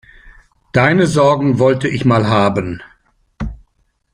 Deine Sorgen wollte ich mal haben.